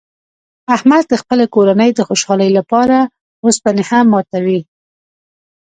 احمد د خپلې کورنۍ د خوشحالۍ لپاره اوسپنې هم ماتوي.